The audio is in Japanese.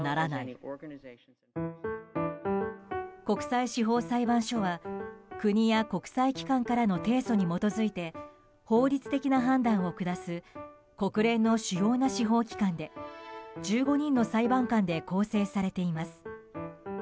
国際司法裁判所は国や国際機関からの提訴に基づいて法律的な判断を下す国連の主要な司法機関で１５人の裁判官で構成されています。